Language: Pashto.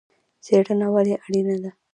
څیړنه ولې اړینه ده؟